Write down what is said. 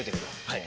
はい。